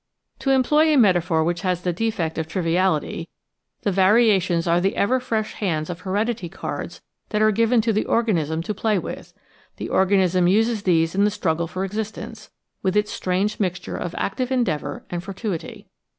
To employ a meta phor which has the defect of triviality, the variations are the ever fresh hands of heredity cards that are given to the organism to play with ; the organism uses these in the struggle for existence — with its strange mixture of active endeavour and fortuity.